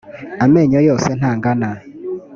amenyo yose ntangana.